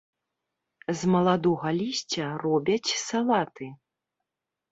З маладога лісця робяць салаты.